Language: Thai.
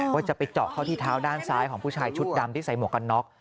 ว่าจะไปเจาะเข้าที่เท้าด้านซ้ายของผู้ชายชุดดำที่ใส่หมวกกันน็อก